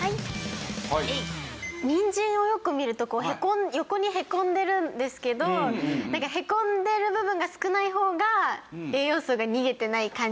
にんじんをよく見ると横にへこんでるんですけどへこんでる部分が少ない方が栄養素が逃げてない感じがして。